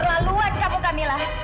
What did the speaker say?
terlaluan kamu kamilah